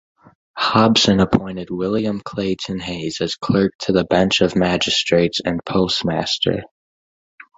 Hobson appointed William Clayton Hayes as Clerk to the Bench of Magistrates and Postmaster.